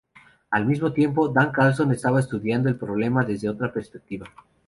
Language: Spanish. Al mismo tiempo, Dan Carlson estaba estudiando el problema desde otra perspectiva.